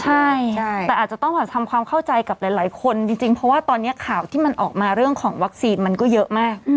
ใช่แต่อาจจะต้องทำความเข้าใจกับหลายคนจริงเพราะว่าตอนนี้ข่าวที่มันออกมาเรื่องของวัคซีนมันก็เยอะมาก